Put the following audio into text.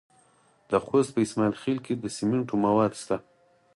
د خوست په اسماعیل خیل کې د سمنټو مواد شته.